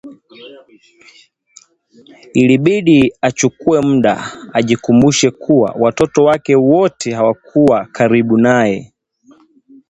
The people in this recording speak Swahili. Ilibidi achukuwe muda ajikumbushe kuwa watoto wake wote hawakuwa karibu naye